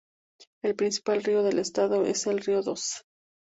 El principal río del estado es el río Doce.